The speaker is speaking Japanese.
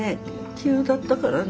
急だったからね。